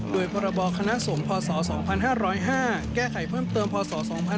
โดยประบอคณะสมพศ๒๕๐๕แก้ไขเพิ่มเติมพศ๒๕๓๕